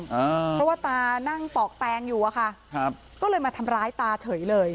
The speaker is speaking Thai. เพราะว่าตานั่งปอกแตงอยู่อะค่ะครับก็เลยมาทำร้ายตาเฉยเลย